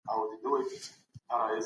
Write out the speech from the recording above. تحقیقي پایلې به په نږدې وخت کي اعلان سي.